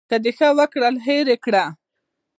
که د ښه وکړل هېر یې کړه .